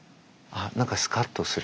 何かスカッとする。